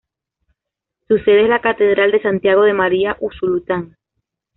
Su sede es la Catedral de Santiago de María, Usulután.